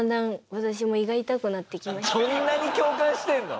そんなに共感してるの！？